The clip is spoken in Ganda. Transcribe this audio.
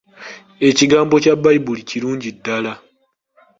Ekigambo kya Baibuli kirungi ddala.